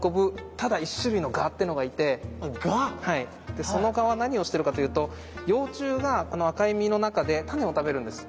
でその蛾は何をしてるかというと幼虫があの赤い実の中でタネを食べるんです。